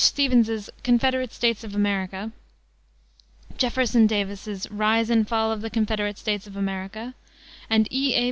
Stephens's Confederate States of America, Jefferson Davis's Rise and Fall of the Confederate States of America, and E. A.